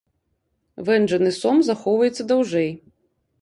Вэнджаны сом захоўваецца даўжэй.